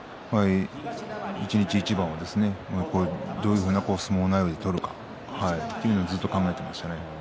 一日一番をねどういう相撲内容で取るかずっと考えていましたね。